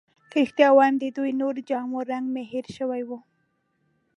که رښتیا ووایم، د دې نورو جامو رنګ مې هیر شوی وو.